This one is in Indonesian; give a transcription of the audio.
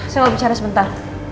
saya mau bicara sebentar